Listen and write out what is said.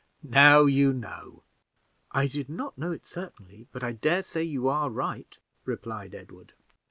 Now you know." "I did not know it, certainly, but I dare say you are right," replied Edward.